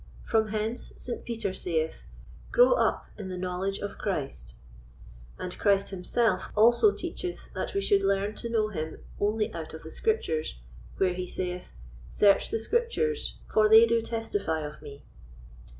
From hence St. Peter saith, "Grow up in the knowledge of Christ;" and Christ himself also teacheth that we should learn to know him only out of the Scriptures, where he saith, "Search the Scriptures, for they do testify of me."